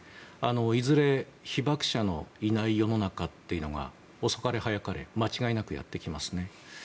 いずれ、被爆者のいない世の中というのが、遅かれ早かれ間違いなくやってきます。